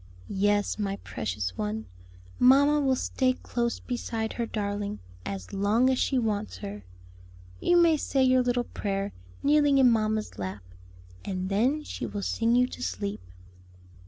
"Yes, my precious one, mamma will stay close beside her darling as long as she wants her. You may say your little prayer kneeling in mamma's lap; and then she will sing you to sleep."